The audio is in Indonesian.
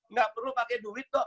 nggak perlu pakai duit kok